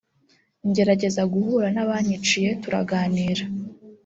ngerageza guhura n’abanyiciye turaganira